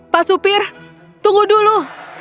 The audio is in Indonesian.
pak supir tunggu dulu